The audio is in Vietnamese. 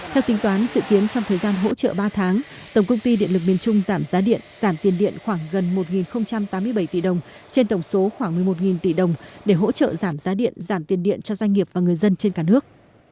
theo tính toán sự kiến trong thời gian hỗ trợ ba tháng tổng công ty điện lực miền trung giảm giá điện giảm tiền điện khoảng gần một tám mươi bảy tỷ đồng trên tổng số khoảng một mươi một tỷ đồng để hỗ trợ giảm giá điện giảm tiền điện cho doanh nghiệp và người dân trên cả nước